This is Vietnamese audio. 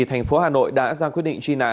thành phố hà nội đã ra quyết định truy nã